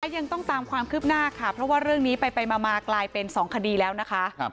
ยังต้องตามความคืบหน้าค่ะเพราะว่าเรื่องนี้ไปมากลายเป็น๒คดีแล้วนะคะ